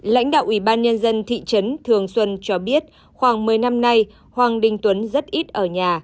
lãnh đạo ủy ban nhân dân thị trấn thường xuân cho biết khoảng một mươi năm nay hoàng đình tuấn rất ít ở nhà